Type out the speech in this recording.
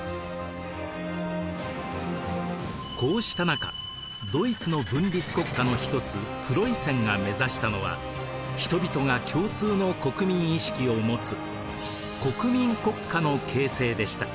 こうした中ドイツの分立国家の一つプロイセンが目指したのは人々が共通の国民意識を持つ国民国家の形成でした。